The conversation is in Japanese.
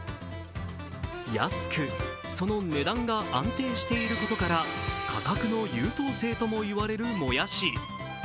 安く、その値段が安定していることから、価格の優等生とも言われるもやし。